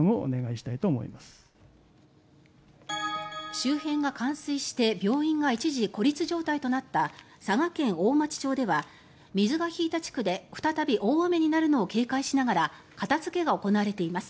周辺が冠水して病院が一時、孤立状態となった佐賀県大町町では水が引いた地区で再び大雨になるのを警戒しながら片付けが行われています。